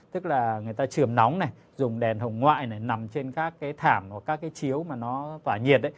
tức là người ta trường nóng này dùng đèn hồng ngoại này nằm trên các cái thảm hoặc các cái chiếu mà nó tỏa nhiệt